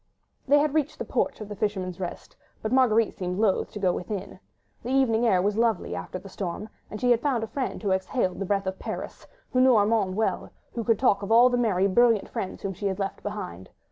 They had reached the porch of "The Fisherman's Rest," but Marguerite seemed loth to go within. The evening air was lovely after the storm, and she had found a friend who exhaled the breath of Paris, who knew Armand well, who could talk of all the merry, brilliant friends whom she had left behind.